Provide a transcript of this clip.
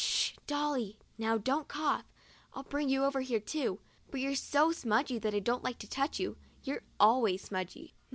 Sh, Dolly! Now don't cough. I'd bring you over here too, but you're so smudgy that I don't like to touch you. You're always smudgy."